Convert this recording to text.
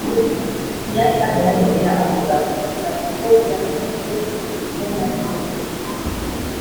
yari atarigera avuga kugeza ubwo yabajijwe imbonankubone